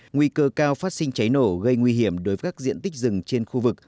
nguy cơ cao phát sinh cháy nổ gây nguy hiểm đối với các diện tích rừng trên khu vực